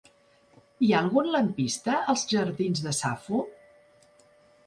Hi ha algun lampista als jardins de Safo?